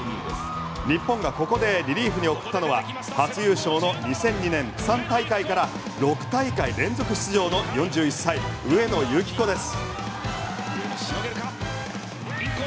日本がここでリリーフに送ったのは初優勝の２００２年釜山大会から６大会連続出場の４１歳上野由岐子です。